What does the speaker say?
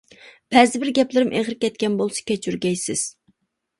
بەزىبىر گەپلىرىم ئېغىر كەتكەن بولسا كەچۈرگەيسىز!